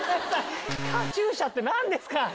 「カチューシャ」って何ですか？